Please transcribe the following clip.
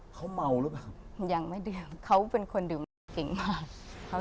เขาเมาหรือเปล่า